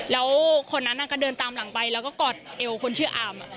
แล้วคนนั้นก็เดินตามหลังไปแล้วก็กอดเอวคนชื่ออาม